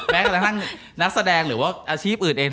แม้กระทั่งนักแสดงหรือว่าอาชีพอื่นเอง